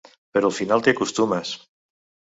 Però al final t'hi acostumes.